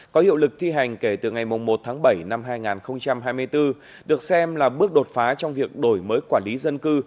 có hiệu lực thi hành kể từ ngày một tháng bảy năm hai nghìn hai mươi bốn được xem là bước đột phá trong việc đổi mới quản lý dân cư